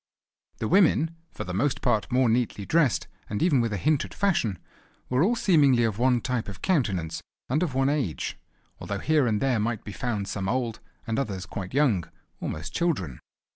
The women, for the most part more neatly dressed, and even with a hint at fashion, were seemingly all of one type of countenance and of one age; although here and there might be found some old, and others quite young, almost children.